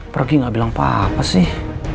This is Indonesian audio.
pergi gak bilang apa apa sih